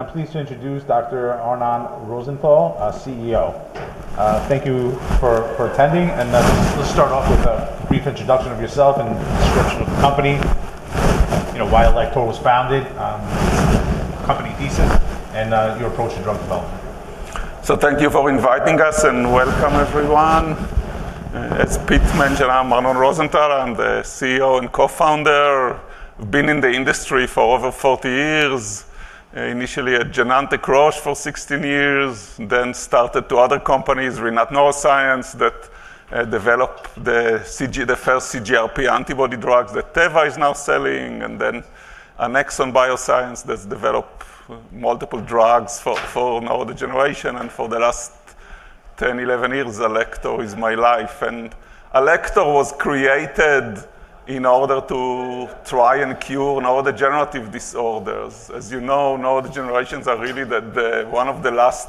I'm pleased to introduce Dr. Arnon Rosenthal, CEO. Thank you for attending. Let's start off with a brief introduction of yourself and the description of the company, you know, why Alector was founded, the company thesis, and your approach to drug development. Thank you for inviting us and welcome, everyone. As Pete mentioned, I'm Arnon Rosenthal. I'm the CEO and co-founder. I've been in the industry for over 40 years, initially at Genentech Roche for 16 years, then started two other companies, Rinat Neuroscience, that developed the CGRP antibody drugs that Teva is now selling, and then Annexon Bioscience that's developed multiple drugs for neurodegeneration. For the last 10, 11 years, Alector is my life. Alector was created in order to try and cure neurodegenerative disorders. As you know, neurodegenerations are really one of the last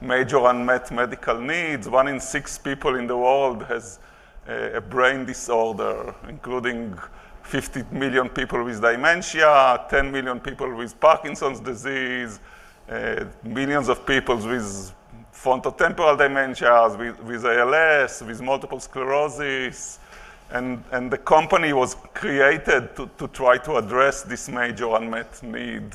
major unmet medical needs. One in six people in the world has a brain disorder, including 50 million people with dementia, 10 million people with Parkinson's disease, millions of people with frontotemporal dementias, with ALS, with multiple sclerosis. The company was created to try to address this major unmet need.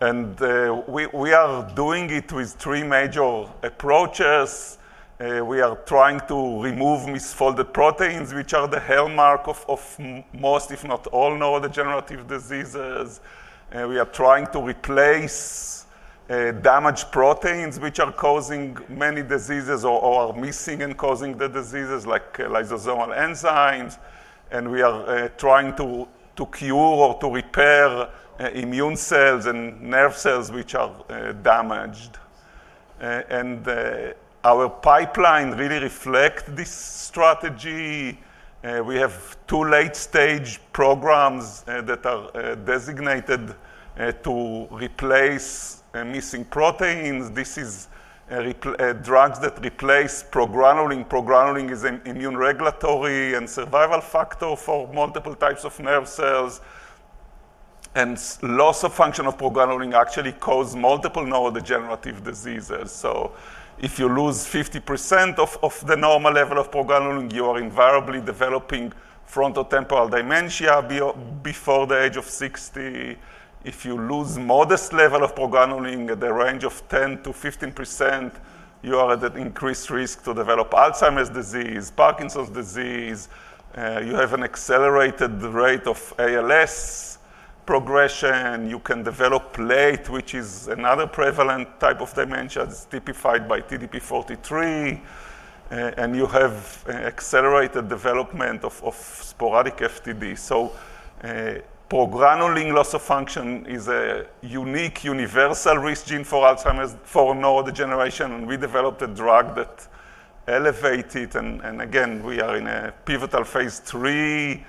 We are doing it with three major approaches. We are trying to remove misfolded proteins, which are the hallmark of most, if not all, neurodegenerative diseases. We are trying to replace damaged proteins, which are causing many diseases or are missing and causing the diseases like lysosomal enzymes. We are trying to cure or to repair immune cells and nerve cells which are damaged. Our pipeline really reflects this strategy. We have two late-stage programs that are designated to replace missing proteins. This is drugs that replace progranulin. Progranulin is an immune regulatory and survival factor for multiple types of nerve cells. Loss of function of progranulin actually causes multiple neurodegenerative diseases. If you lose 50% of the normal level of progranulin, you are invariably developing frontotemporal dementia before the age of 60. If you lose a modest level of progranulin at the range of 10% - 15%, you are at an increased risk to develop Alzheimer's disease, Parkinson's disease. You have an accelerated rate of ALS progression. You can develop late, which is another prevalent type of dementia that's typified by TDP-43. You have accelerated development of sporadic FTD. Progranulin loss of function is a unique universal risk gene for Alzheimer's for neurodegeneration. We developed a drug that elevates it. We are in a pivotal phase III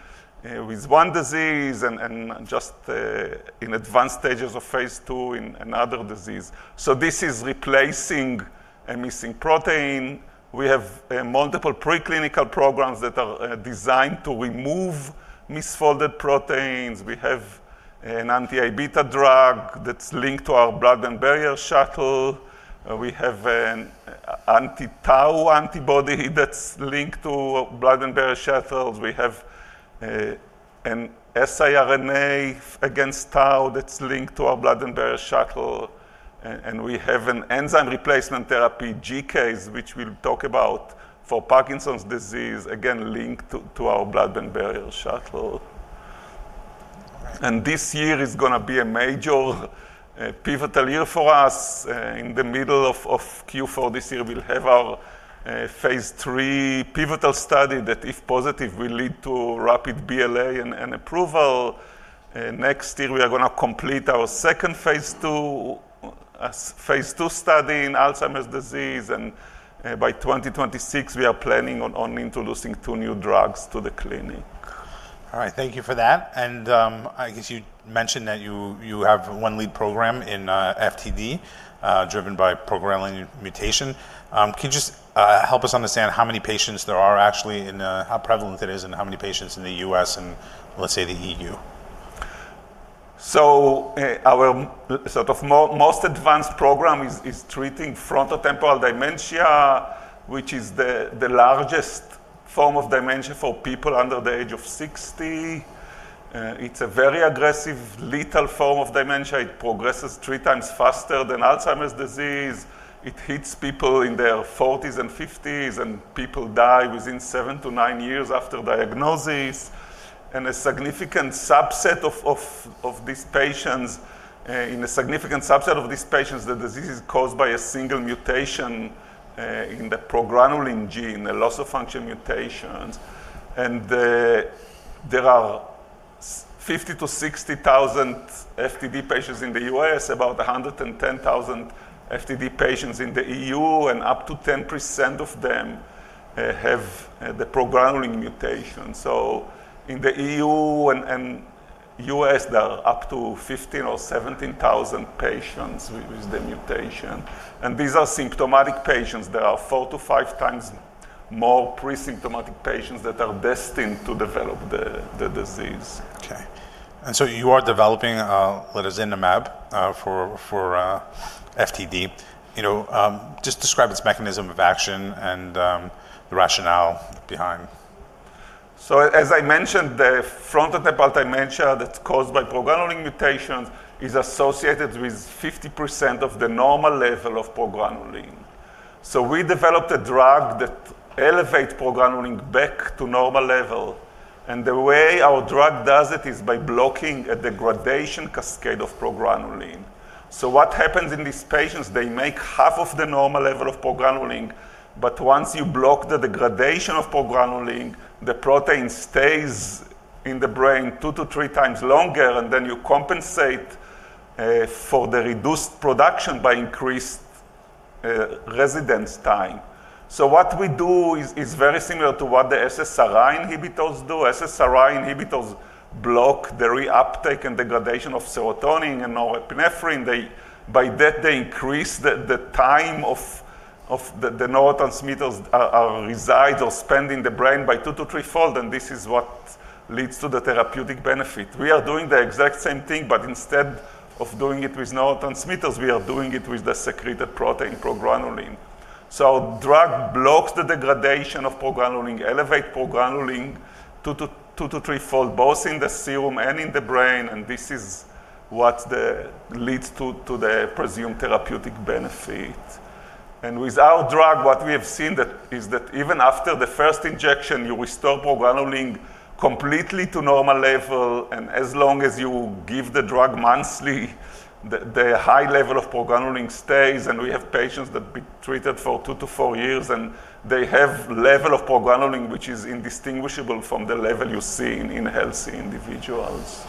with one disease and just in advanced stages of phase II in another disease. This is replacing a missing protein. We have multiple preclinical programs that are designed to remove misfolded proteins. We have an anti-ABETA drug that's linked to our brain carrier (shuttle) platform. We have an anti-Tau antibody that's linked to brain carrier (shuttle) platforms. We have an siRNA against Tau that's linked to our brain carrier (shuttle) platform. We have an enzyme replacement therapy, GBA, which we'll talk about for Parkinson's disease, again linked to our brain carrier (shuttle) platform. This year is going to be a major pivotal year for us. In the middle of Q4 this year, we'll have our phase III pivotal study that, if positive, will lead to rapid BLA and approval. Next year, we are going to complete our second phase II, a phase II study in Alzheimer's disease. By 2026, we are planning on introducing two new drugs to the clinic. All right, thank you for that. I guess you mentioned that you have one lead program in FTD driven by progranulin mutation. Can you just help us understand how many patients there are actually and how prevalent it is and how many patients in the U.S. and, let's say, the EU? Our most advanced program is treating frontotemporal dementia, which is the largest form of dementia for people under the age of 60. It's a very aggressive, lethal form of dementia. It progresses three times faster than Alzheimer's disease. It hits people in their 40s and 50s, and people die within seven to nine years after diagnosis. In a significant subset of these patients, the disease is caused by a single mutation in the progranulin gene, a loss of function mutation. There are 50,000 - 60,000 FTD patients in the U.S., about 110,000 FTD patients in the EU, and up to 10% of them have the progranulin mutation. In the EU and U.S., there are up to 15,000 or 17,000 patients with the mutation. These are symptomatic patients. There are four to five times more pre-symptomatic patients that are destined to develop the disease. Okay. You are developing latozinemab for FTD. You know, just describe its mechanism of action and the rationale behind. As I mentioned, the frontotemporal dementia that's caused by progranulin mutations is associated with 50% of the normal level of progranulin. We developed a drug that elevates progranulin back to normal level. The way our drug does it is by blocking a degradation cascade of progranulin. What happens in these patients is they make half of the normal level of progranulin. Once you block the degradation of progranulin, the protein stays in the brain two to three times longer, and you compensate for the reduced production by increased residence time. What we do is very similar to what the SSRI inhibitors do. SSRI inhibitors block the reuptake and degradation of serotonin and norepinephrine. By that, they increase the time the neurotransmitters reside or spend in the brain by two to three fold. This is what leads to the therapeutic benefit. We are doing the exact same thing, but instead of doing it with neurotransmitters, we are doing it with the secreted protein progranulin. The drug blocks the degradation of progranulin, elevates progranulin two to three fold, both in the serum and in the brain. This is what leads to the presumed therapeutic benefit. With our drug, what we have seen is that even after the first injection, you restore progranulin completely to normal level. As long as you give the drug monthly, the high level of progranulin stays. We have patients that have been treated for two to four years, and they have a level of progranulin which is indistinguishable from the level you see in healthy individuals.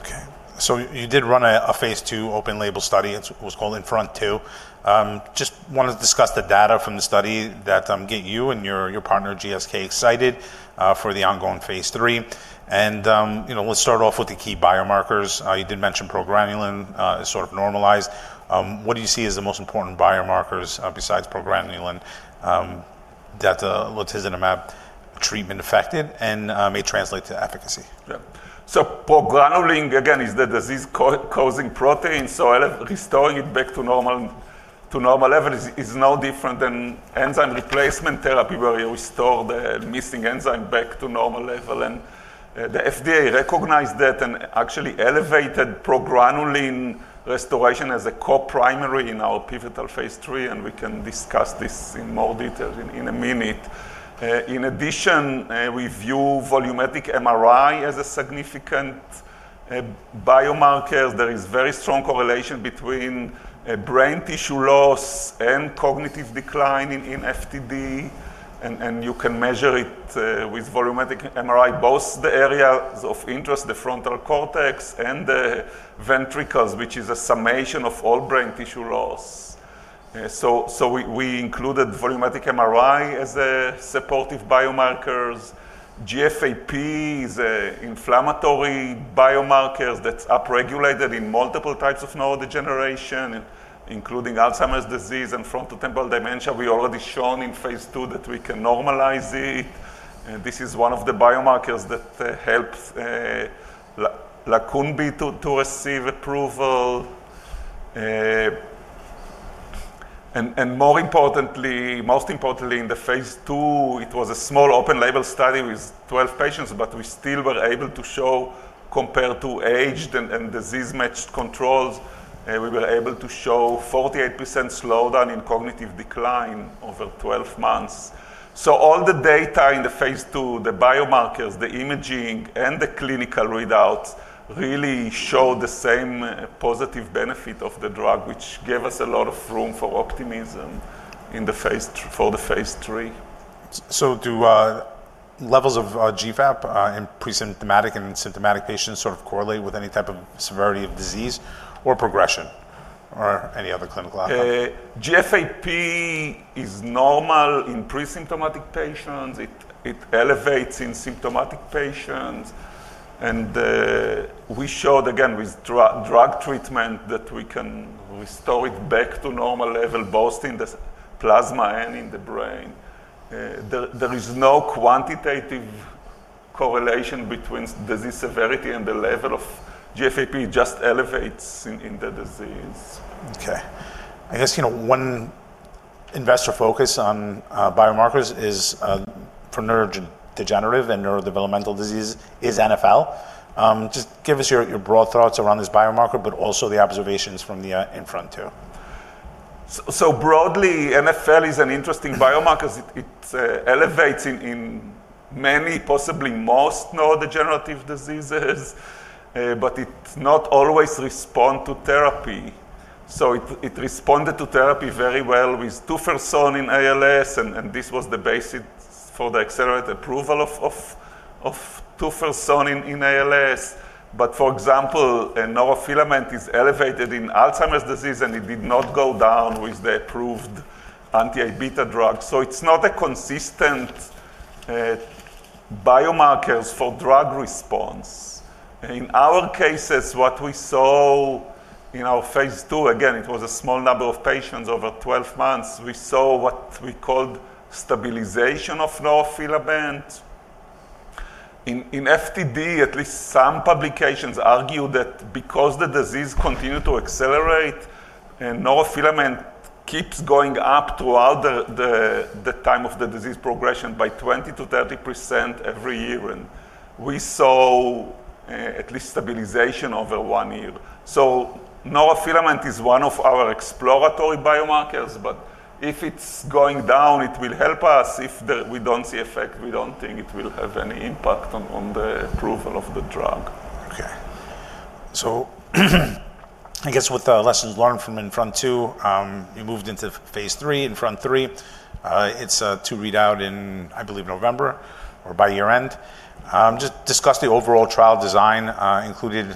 Okay. You did run a phase II open-label study. It was called INFRONT-2. I just want to discuss the data from the study that gets you and your partner, GSK, excited for the ongoing phase III. We'll start off with the key biomarkers. You did mention progranulin is sort of normalized. What do you see as the most important biomarkers besides progranulin that latozinemab treatment affected and may translate to efficacy? Yeah. So progranulin, again, is the disease-causing protein. Restoring it back to normal levels is no different than enzyme replacement therapies, where you restore the missing enzyme back to normal level. The FDA recognized that and actually elevated progranulin restoration as a core primary in our pivotal phase III. We can discuss this in more detail in a minute. In addition, we view volumetric MRI as a significant biomarker. There is a very strong correlation between brain tissue loss and cognitive decline in frontotemporal dementia. You can measure it with volumetric MRI, both the areas of interest, the frontal cortex and the ventricles, which is a summation of all brain tissue loss. We included volumetric MRI as supportive biomarkers. GFAP is an inflammatory biomarker that's upregulated in multiple types of neurodegeneration, including Alzheimer's disease and frontotemporal dementia. We already showed in phase II that we can normalize it. This is one of the biomarkers that helps [Lacombe] to receive approval. More importantly, most importantly, in the phase II, it was a small open-label study with 12 patients, but we still were able to show, compared to aged and disease-matched controls, we were able to show 48% slowdown in cognitive decline over 12 months. All the data in the phase II, the biomarkers, the imaging, and the clinical readouts really showed the same positive benefit of the drug, which gave us a lot of room for optimism for the phase III. Do levels of GFAP in pre-symptomatic and symptomatic patients sort of correlate with any type of severity of disease or progression or any other clinical outcome? GFAP is normal in pre-symptomatic patients. It elevates in symptomatic patients. We showed, with drug treatment, that we can restore it back to normal level, both in the plasma and in the brain. There is no quantitative correlation between disease severity and the level of GFAP. It just elevates in the disease. Okay. I guess, you know, one investor focus on biomarkers for neurodegenerative and neurodevelopmental disease is neurofilament light chain. Just give us your broad thoughts around this biomarker, but also the observations from the INFRONT-2. light chain (NFL) is an interesting biomarker. It elevates in many, possibly most, neurodegenerative diseases, but it's not always responded to therapy. It responded to therapy very well with tofersen in ALS, and this was the basis for the accelerated approval of tofersen in ALS. For example, neurofilament is elevated in Alzheimer's disease, and it did not go down with the approved anti-ABETA drug. It's not a consistent biomarker for drug response. In our cases, what we saw in our phase II, again, it was a small number of patients over 12 months. We saw what we called stabilization of neurofilament. In frontotemporal dementia (FTD), at least some publications argue that because the disease continued to accelerate, neurofilament keeps going up throughout the time of the disease progression by 20% - 30% every year. We saw at least stabilization over one year. Neurofilament is one of our exploratory biomarkers, but if it's going down, it will help us. If we don't see effect, we don't think it will have any impact on the approval of the drug. Okay. I guess with the lessons learned from INFRONT-2, you moved into phase III, INFRONT-3. It's to read out in, I believe, November or by year-end. Just discuss the overall trial design, including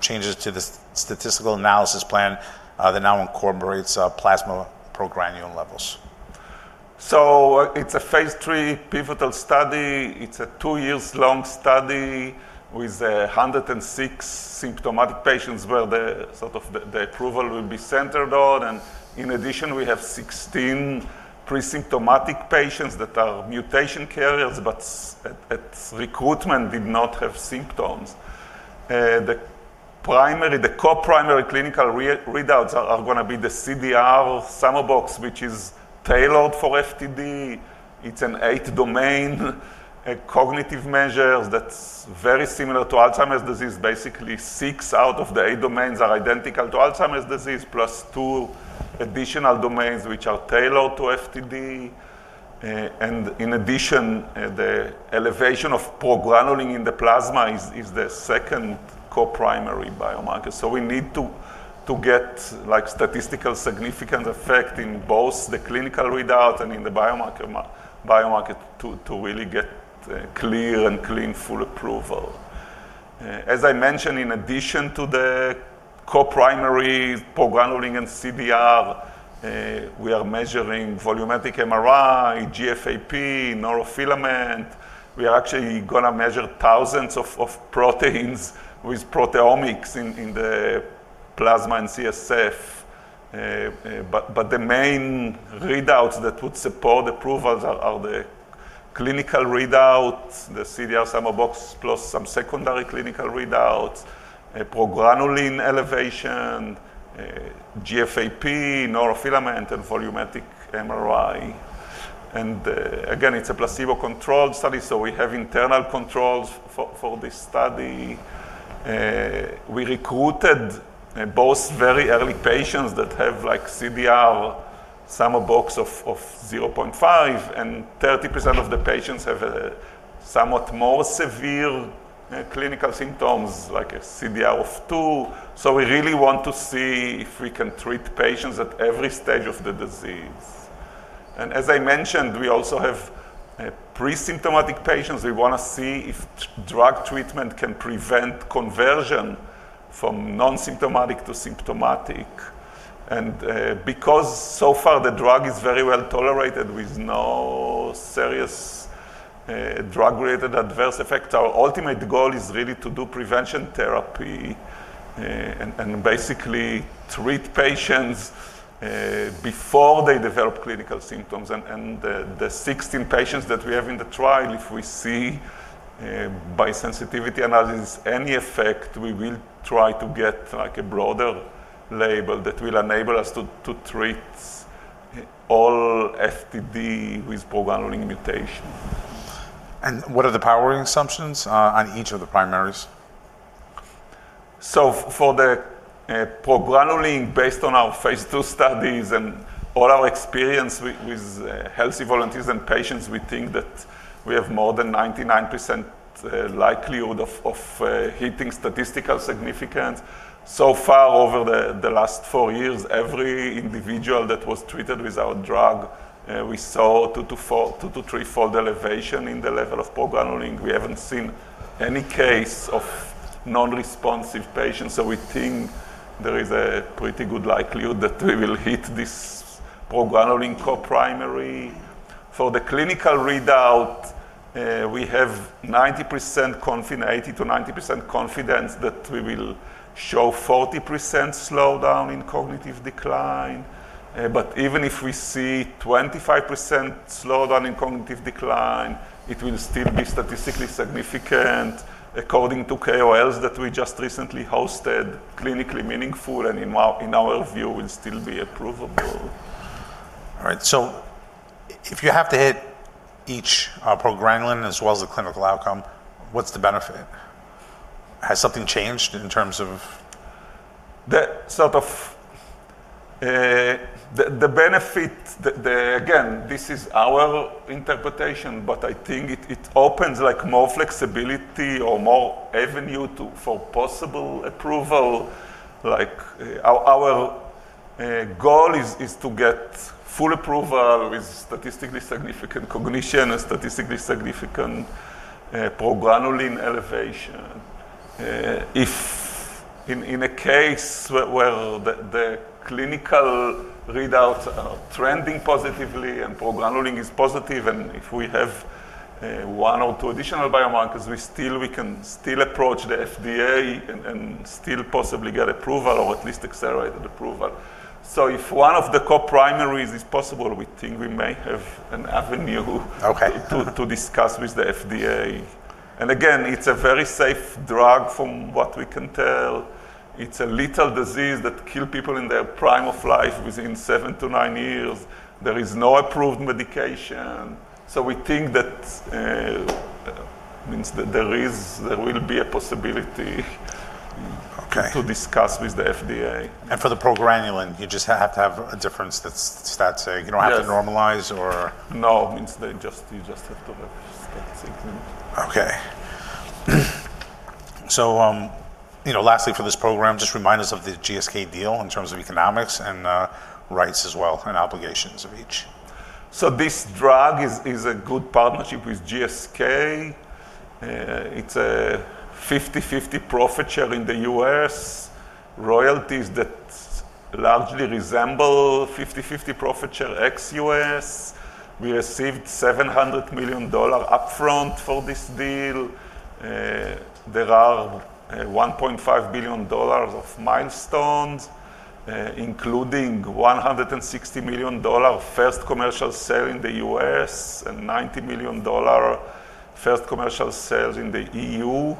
changes to the statistical analysis plan that now incorporates plasma progranulin levels. It's a phase III pivotal study. It's a two-year-long study with 106 symptomatic patients where the sort of approval will be centered on. In addition, we have 16 pre-symptomatic patients that are mutation carriers, but at recruitment did not have symptoms. The core primary clinical readouts are going to be the CDR-Sum of Boxes, which is tailored for FTD. It's an eight-domain cognitive measure that's very similar to Alzheimer's disease. Basically, six out of the eight domains are identical to Alzheimer's disease, plus two additional domains which are tailored to FTD. In addition, the elevation of progranulin in the plasma is the second core primary biomarker. We need to get statistical significance effect in both the clinical readout and in the biomarker to really get clear and clean full approval. As I mentioned, in addition to the core primary, progranulin, and CDR, we are measuring volumetric MRI, GFAP, neurofilament. We are actually going to measure thousands of proteins with proteomics in the plasma and CSF. The main readouts that would support approval are the clinical readouts, the CDR-Sum of Boxes, plus some secondary clinical readouts, progranulin elevation, GFAP, neurofilament, and volumetric MRI. It's a placebo-controlled study. We have internal controls for this study. We recruited both very early patients that have like CDR-Sum of Boxes of 0.5, and 30% of the patients have somewhat more severe clinical symptoms, like a CDR of 2. We really want to see if we can treat patients at every stage of the disease. As I mentioned, we also have pre-symptomatic patients. We want to see if drug treatment can prevent conversion from non-symptomatic to symptomatic. Because so far the drug is very well tolerated with no serious drug-related adverse effects, our ultimate goal is really to do prevention therapy and basically treat patients before they develop clinical symptoms. The 16 patients that we have in the trial, if we see by sensitivity analysis any effect, we will try to get like a broader label that will enable us to treat all FTD with progranulin mutation. What are the powering assumptions on each of the primaries? For the progranulin, based on our phase II studies and all our experience with healthy volunteers and patients, we think that we have more than 99% likelihood of hitting statistical significance. Over the last four years, every individual that was treated with our drug, we saw two to three fold elevation in the level of progranulin. We haven't seen any case of non-responsive patients. We think there is a pretty good likelihood that we will hit this progranulin core primary. For the clinical readout, we have 90% confidence, 80% - 90% confidence that we will show 40% slowdown in cognitive decline. Even if we see 25% slowdown in cognitive decline, it will still be statistically significant according to KOLs that we just recently hosted. Clinically meaningful and in our view will still be approvable. All right. If you have to hit each progranulin as well as the clinical outcome, what's the benefit? Has something changed in terms of? The benefit, again, this is our interpretation, but I think it opens more flexibility or more avenue for possible approval. Our goal is to get full approval with statistically significant cognition and statistically significant progranulin elevation. If in a case where the clinical readouts are trending positively and progranulin is positive, and if we have one or two additional biomarkers, we can still approach the FDA and possibly get approval or at least accelerated approval. If one of the core primaries is possible, we think we may have an avenue to discuss with the FDA. It's a very safe drug from what we can tell. It's a lethal disease that kills people in their prime of life within seven to nine years. There is no approved medication. We think that means there will be a possibility to discuss with the FDA. For the progranulin, you just have to have a difference that's stat-signed. You don't have to normalize or? No, it means that you just have to have stat-signed. Okay. Lastly for this program, just remind us of the GSK deal in terms of economics and rights as well as obligations of each. This drug is a good partnership with GSK. It's a 50-50 profit share in the U.S. Royalties largely resemble a 50-50 profit share ex-U.S. We received $700 million upfront for this deal. There are $1.5 billion of milestones, including $160 million for the first commercial sale in the U.S. and $90 million for the first commercial sales in the EU.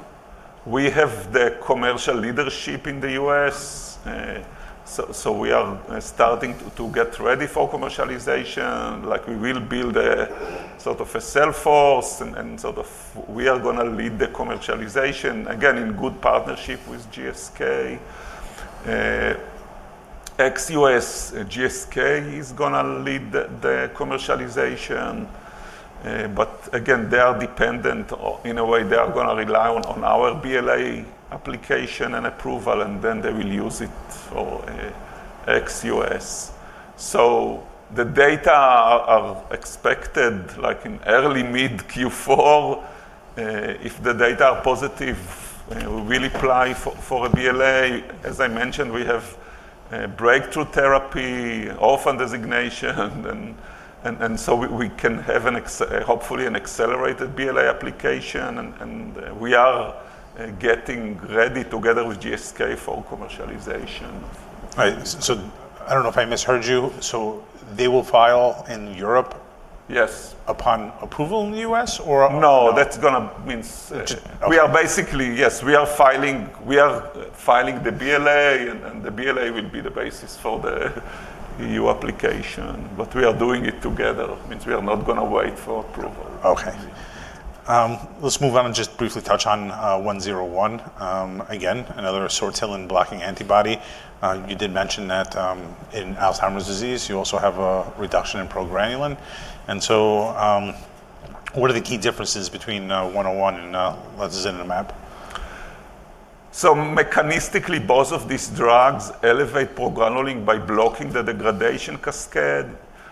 We have the commercial leadership in the U.S., so we are starting to get ready for commercialization. We will build a sort of sales force and we are going to lead the commercialization, again, in good partnership with GSK. Ex-U.S., GSK is going to lead the commercialization. They are dependent in a way. They are going to rely on our BLA application and approval, and then they will use it for ex-U.S. The data are expected in early to mid-Q4. If the data are positive, we will apply for a BLA. As I mentioned, we have breakthrough therapy and orphan designation, so we can have, hopefully, an accelerated BLA application. We are getting ready together with GSK for commercialization. Right. I don't know if I misheard you. They will file in the Europe? Yes. Upon approval in the U.S. or? No, that's going to mean we are basically, yes, we are filing. We are filing the BLA, and the BLA will be the basis for the EU application. We are doing it together. It means we are not going to wait for approval. Okay. Let's move on and just briefly touch on AL101. Again, another sort of hill in blocking antibody. You did mention that in Alzheimer's disease, you also have a reduction in progranulin. What are the key differences between AL101 and latozinemab? Mechanistically, both of these drugs elevate progranulin by blocking the degradation cascade.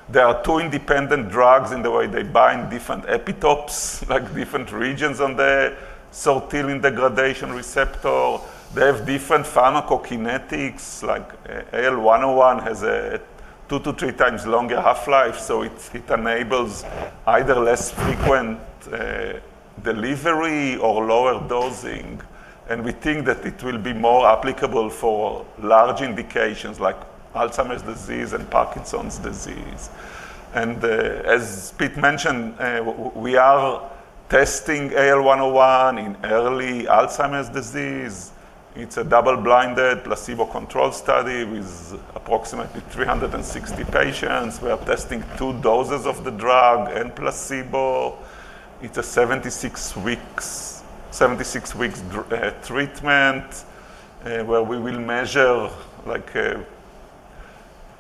There are two independent drugs in the way they bind different epitopes, like different regions on the sortilin degradation receptor. They have different pharmacokinetics. AL101 has a two to three times longer half-life, which enables either less frequent delivery or lower dosing. We think that it will be more applicable for large indications like Alzheimer's disease and Parkinson's disease. As Pete mentioned, we are testing AL101 in early Alzheimer's disease. It's a double-blinded, placebo-controlled study with approximately 360 patients. We are testing two doses of the drug and placebo. It's a 76-week treatment where we will measure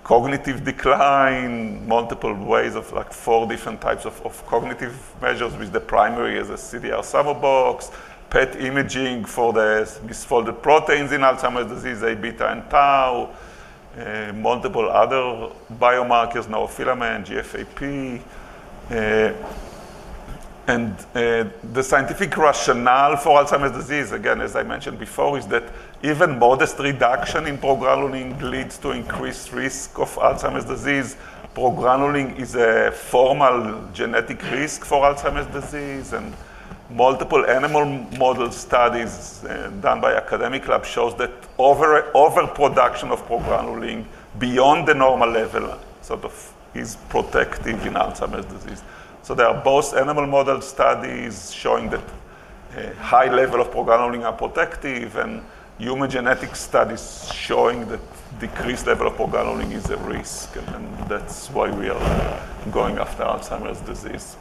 cognitive decline in multiple ways, like four different types of cognitive measures, with the primary as a CDR-Sum of Boxes, PET imaging for the misfolded proteins in Alzheimer's disease, ABETA and Tau, and multiple other biomarkers, neurofilament light chain (NFL), GFAP. The scientific rationale for Alzheimer's disease, as I mentioned before, is that even modest reduction in progranulin leads to increased risk of Alzheimer's disease. Progranulin is a formal genetic risk for Alzheimer's disease. Multiple animal model studies done by academic labs show that overproduction of progranulin beyond the normal level is protective in Alzheimer's disease. There are both animal model studies showing that high levels of progranulin are protective and human genetic studies showing that decreased level of progranulin is a risk. That's why we are going after Alzheimer's disease.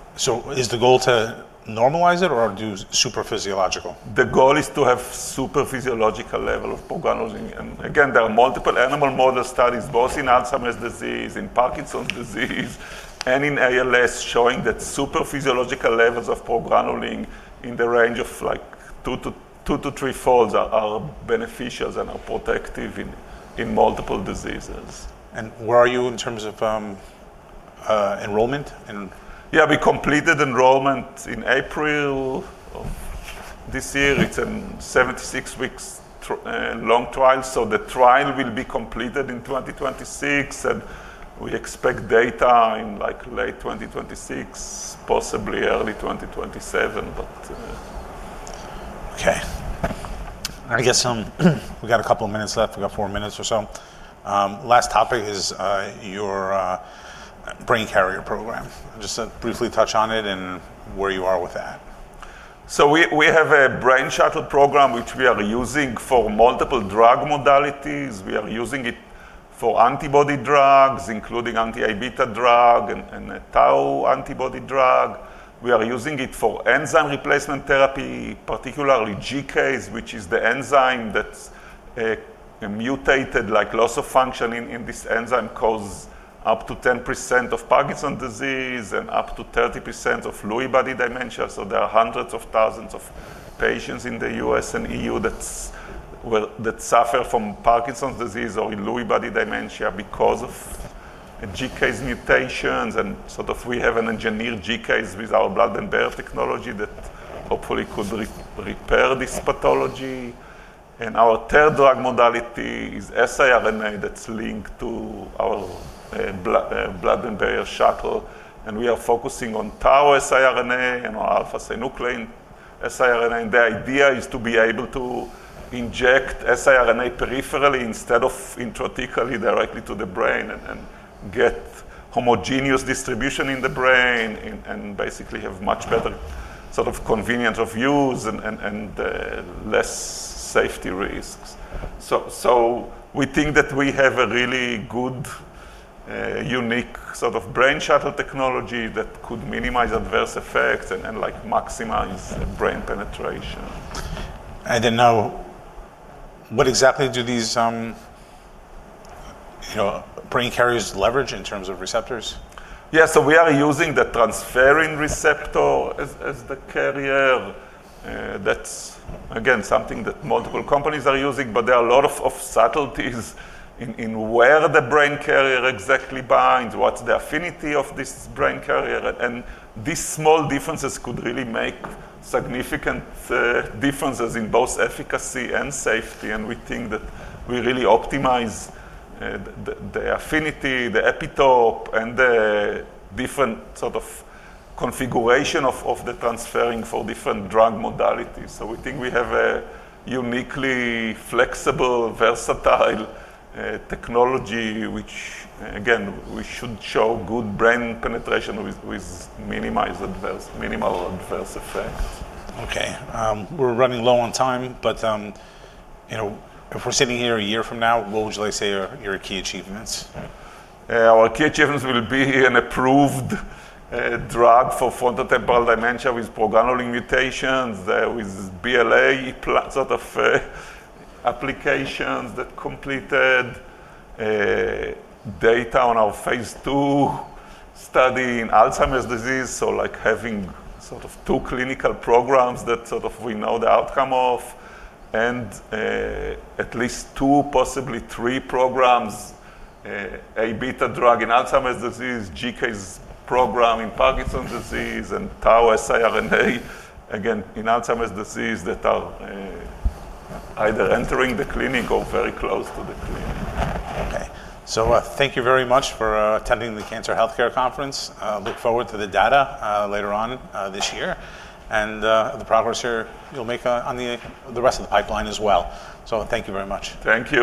Is the goal to normalize it or do superphysiological? The goal is to have superphysiological level of progranulin. There are multiple animal model studies, both in Alzheimer's disease, in Parkinson's disease, and in ALS, showing that superphysiological levels of progranulin in the range of 2 - 3 folds are beneficial and are protective in multiple diseases. Where are you in terms of enrollment? Yeah, we completed enrollment in April of this year. It's a 76-week long trial. The trial will be completed in 2026, and we expect data in late 2026, possibly early 2027. Okay. I guess we got a couple of minutes left. We got four minutes or so. Last topic is your brain carrier program. Just briefly touch on it and where you are with that. We have a brain carrier (shuttle) platform, which we are using for multiple drug modalities. We are using it for antibody drugs, including an anti-ABETA drug and a Tau antibody drug. We are using it for enzyme replacement therapies, particularly GBA, which is the enzyme that's mutated. Loss of function in this enzyme causes up to 10% of Parkinson's disease and up to 30% of Lewy body dementia. There are hundreds of thousands of patients in the U.S. and EU that suffer from Parkinson's disease or Lewy body dementia because of GBA mutations. We have engineered GBA with our blood-brain barrier technology that hopefully could repair this pathology. Our third drug modality is siRNA therapeutics that's linked to our blood-brain barrier shuttle. We are focusing on Tau siRNA and alpha-synuclein siRNA. The idea is to be able to inject siRNA peripherally instead of intrathecally directly to the brain and get homogeneous distribution in the brain and basically have much better sort of convenience of use and less safety risks. We think that we have a really good, unique sort of brain carrier (shuttle) technology that could minimize adverse effects and maximize brain penetration. What exactly do these brain carriers leverage in terms of receptors? Yeah, so we are using the transferrin receptor as the carrier. That's, again, something that multiple companies are using, but there are a lot of subtleties in where the brain carrier exactly binds, what's the affinity of this brain carrier. These small differences could really make significant differences in both efficacy and safety. We think that we really optimize the affinity, the epitope, and the different sort of configuration of the transferrin for different drug modalities. We think we have a uniquely flexible, versatile technology, which, again, we should show good brain penetration with minimal adverse effects. Okay, we're running low on time, but you know, if we're sitting here a year from now, what would you like to say are your key achievements? Our key achievements will be an approved drug for frontotemporal dementia with progranulin mutations, with BLA applications that completed data on our phase II study in Alzheimer's disease. Like having two clinical programs that we know the outcome of and at least two, possibly three programs, ABETA drug in Alzheimer's disease, GSK's program in Parkinson's disease, and Tau siRNA, again, in Alzheimer's disease that are either entering the clinic or very close to the clinic. Thank you very much for attending the Alector Healthcare Conference. I look forward to the data later on this year and the progress you’ll make on the rest of the pipeline as well. Thank you very much. Thank you.